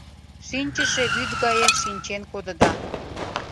Шинчыше вӱд гае шинчен кодыда.